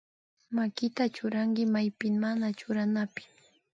Makita churanki maypi mana churanapi